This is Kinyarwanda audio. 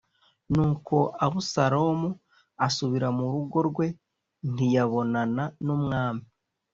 Nuko Abusalomu asubira mu rugo rwe, ntiyabonana n’umwami.